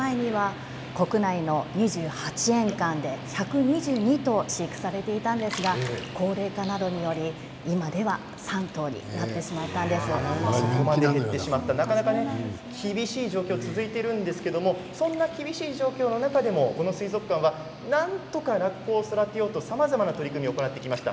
およそ３０年前には国内の２８年間で１２２頭飼育されていたんですが高齢化などにより、今ではなかなか厳しい状況が続いてるんですけれどもそんな厳しい状況の中でもこの水族館はなんとかラッコを育てようとさまざまな取り組みを行ってきました。